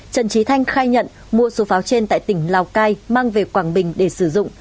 trần trí thanh khai nhận mua số pháo trên tại tỉnh lào cai mang về quảng bình để sử dụng